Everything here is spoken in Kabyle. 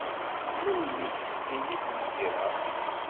Melmi i d-tettili tmegra?